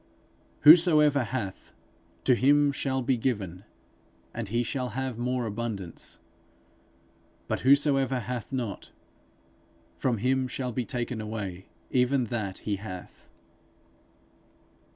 'Whosoever hath, to him shall be given, and he shall have more abundance; but whosoever hath not, from him shall be taken away even that he hath.'